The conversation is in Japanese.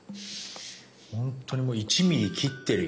本当にもう１ミリ切ってるよ。